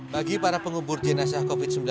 bagi para pengubur jenazah